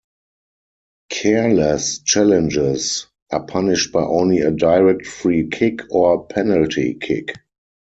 "Careless" challenges are punished by only a direct free kick or penalty kick.